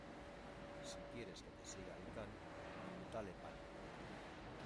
Si quieres que te siga el can, dale pan.